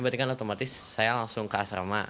berarti kan otomatis saya langsung ke asrama